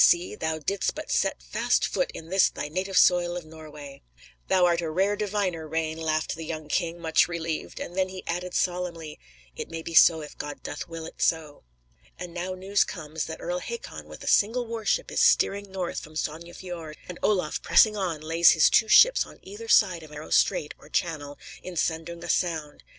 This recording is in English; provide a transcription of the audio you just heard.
See; thou didst but set fast foot in this thy native soil of Norway." "Thou art a rare diviner, Rane," laughed the young king, much relieved, and then he added solemnly: "It may be so if God doth will it so." And now news comes that Earl Hakon, with a single war ship, is steering north from Sogne Fiord; and Olaf, pressing on, lays his two ships on either side of a narrow strait, or channel, in Sandunga Sound.